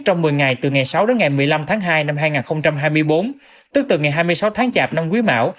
trong một mươi ngày từ ngày sáu đến ngày một mươi năm tháng hai năm hai nghìn hai mươi bốn tức từ ngày hai mươi sáu tháng chạp năm quý mão